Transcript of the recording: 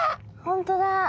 本当だ。